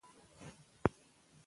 کله چې زه ورغلم هغه لیکل کول.